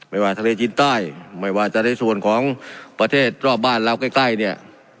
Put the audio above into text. ไม่ว่าทะเลจินใต้ไม่ว่าจะได้ส่วนของประเทศรอบบ้านแล้วก็ใกล้นี่